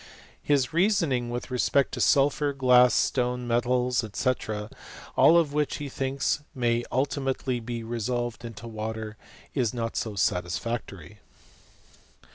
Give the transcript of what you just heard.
f His reasoning with respect to sulphur, glass, stone, metals, &c., all of which he thinks may ulti mately be resolved into water, is not so satisfactory.